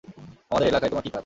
আমাদের এলাকায় তোমার কী কাজ?